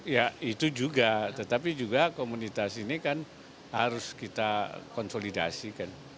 ya itu juga tetapi juga komunitas ini kan harus kita konsolidasikan